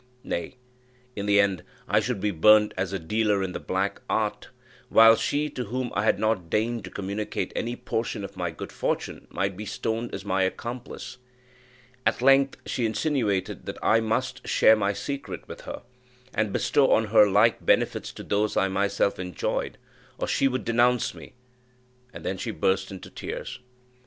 Nay, in the end I should be burnt as a dealer in the black art, while she, to whom I had not deigned to communicate any portion of my good fortune, might be stoned as my accomplice. At length she insinuated that I must share my secret with her, and bestow on her like benefits to those I myself enjoyed, or she would denounce me and then she burst into tears.